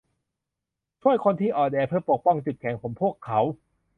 ช่วยคนที่อ่อนแอเพื่อปกป้องจุดแข็งของพวกเขา